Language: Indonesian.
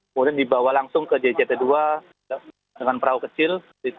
kemudian dibawa langsung ke jjt dua dengan perahu kecil